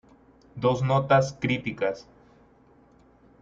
Dos notas críticas.